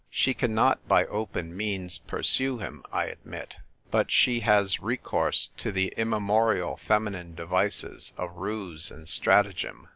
She cannot by open means pursue him, I admit ; but she has re course to the immemorial feminine devices of ruse and stratagem.